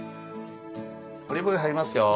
オリーブオイル入りますよ。